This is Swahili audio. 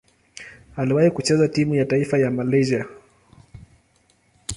Aliwahi kucheza timu ya taifa ya Malaysia.